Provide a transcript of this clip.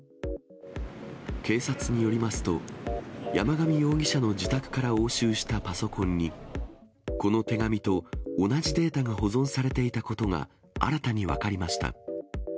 警察によりますと、山上容疑者の自宅から押収したパソコンに、この手紙と同じデータが保存されていたことが、新たに分かりました。